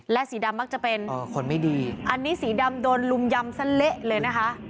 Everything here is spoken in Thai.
สีดำมักจะเป็นคนไม่ดีอันนี้สีดำโดนลุมยำซะเละเลยนะคะ